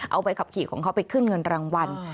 เอาใบขับขี่ของเขาไปขึ้นเงินรางวัล